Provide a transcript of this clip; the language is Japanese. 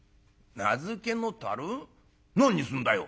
何にすんだよ」。